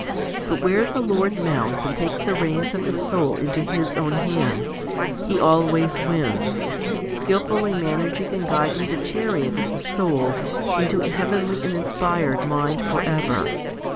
But where the Lord mounts and takes the reins of the soul into His own hands, He always wins, skilfully managing and guiding the chariot of the soul into a heavenly and inspired mind for ever.